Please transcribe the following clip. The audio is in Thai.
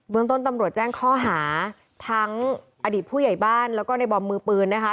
เมืองต้นตำรวจแจ้งข้อหาทั้งอดีตผู้ใหญ่บ้านแล้วก็ในบอมมือปืนนะคะ